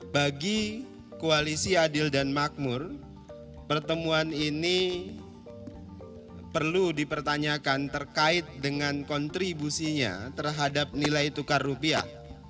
bagi koalisi adil dan makmur pertemuan ini perlu dipertanyakan terkait dengan kontribusinya terhadap nilai tukar rupiah